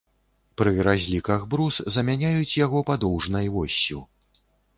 Пры разліках брус замяняюць яго падоўжнай воссю.